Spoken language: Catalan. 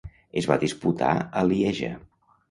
Es va disputar a Lieja.